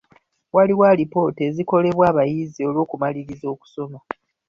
Waliwo alipoota ezikolebwa abayizi olw'okumaliriza okusoma.